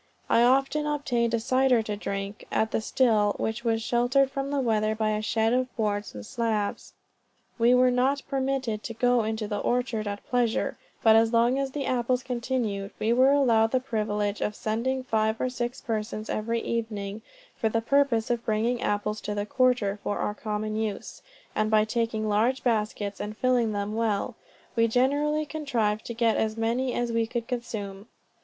I often obtained cider to drink, at the still, which was sheltered from the weather by a shed, of boards and slabs. We were not permitted to go into the orchard at pleasure; but as long as the apples continued, we were allowed the privilege of sending five or six persons every evening, for the purpose of bringing apples to the quarter, for our common use; and by taking large baskets, and filling them well, we generally contrived to get as many as we could consume.